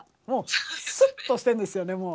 もうすっとしてるんですよね